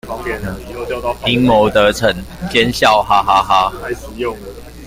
陰謀得逞，奸笑哈哈哈